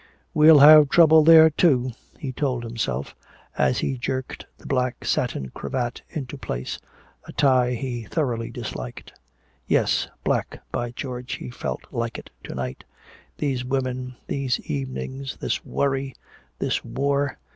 "We'll have trouble there, too!" he told himself, as he jerked the black satin cravat into place, a tie he thoroughly disliked. Yes, black, by George, he felt like it to night! These women! These evenings! This worry! This war!